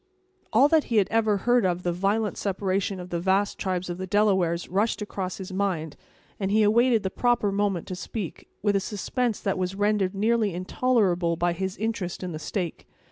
All that he had ever heard of the violent separation of the vast tribes of the Delawares rushed across his mind, and he awaited the proper moment to speak, with a suspense that was rendered nearly intolerable by his interest in the stake.